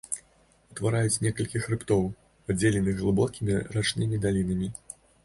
Утвараюць некалькі хрыбтоў, падзеленых глыбокімі рачнымі далінамі.